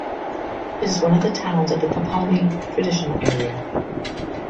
It is one of the towns of the Kpalime Traditional Area.